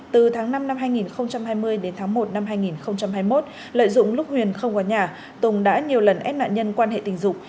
từ tháng năm năm hai nghìn hai mươi đến tháng một năm hai nghìn hai mươi một lợi dụng lúc huyền không có nhà tùng đã nhiều lần ép nạn nhân quan hệ tình dục